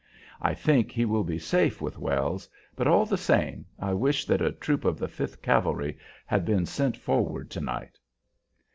I think he will be safe with Wells, but, all the same, I wish that a troop of the Fifth Cavalry had been sent forward to night."